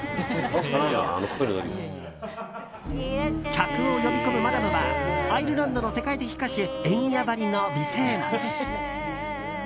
客を呼び込むマダムはアイルランドの世界的歌手Ｅｎｙａばりの美声持ち。